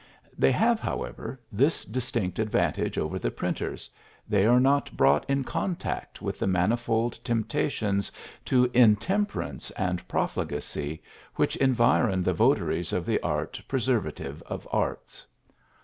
They have, however, this distinct advantage over the printers they are not brought in contact with the manifold temptations to intemperance and profligacy which environ the votaries of the art preservative of arts.